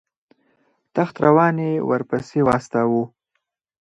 تخت روان یې ورپسې واستاوه.